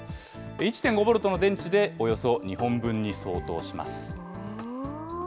１．５ボルトの電池でおよそ２本分に相当します。